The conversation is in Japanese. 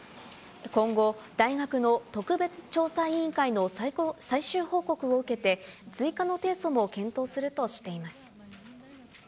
今後、大学の特別調査委員会の最終報告を受けて、追加の提訴も検討するとしています。